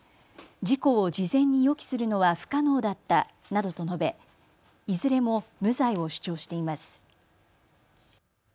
事故を事前に予期するのは不可能だったなどと述べいずれも無罪を主張しています。